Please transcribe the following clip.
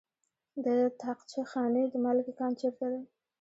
د طاقچه خانې د مالګې کان چیرته دی؟